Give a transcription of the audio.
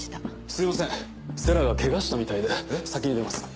すいません星来がケガしたみたいで先に出ます。